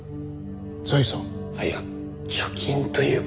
いや貯金というか。